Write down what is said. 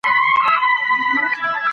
د ښځو ټولنیز پاڅونونه مهم وو.